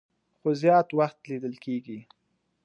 خو زيات وخت ليدل کيږي